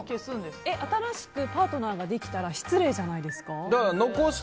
新しくパートナーができたら失礼じゃないですか？